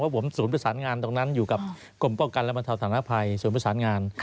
ว่าผมศูนย์ผสานงานตรงนั้นอยู่กับกรมป้อกันและบรรทาวธนภัยศูนย์ผสานงาน